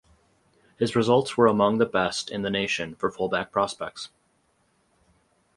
His results were among the best in the nation for fullback prospects.